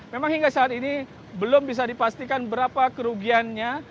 memang hingga saat ini belum bisa dipastikan berapa kerugiannya